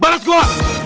balas gue enggak